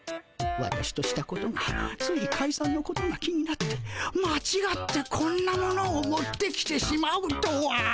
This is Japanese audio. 私としたことがついかいさんのことが気になってまちがってこんなものを持ってきてしまうとは。